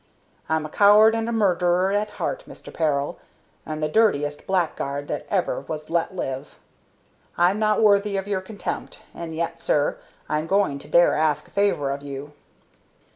I'm a coward and a murderer at heart, Mister Peril, and the dirtiest blackguard that ever was let live. I'm not worthy of your contempt, and yet, sir, I'm going to dare ask a favor of you."